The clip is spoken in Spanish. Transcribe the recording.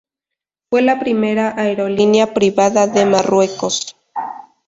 Fue la primera aerolínea privada de Marruecos.